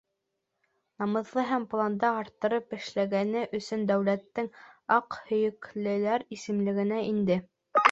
Намыҫлы һәм планды арттырып эшләгәне өсөн дәүләттең аҡ һөйәклеләр исемлегенә инде.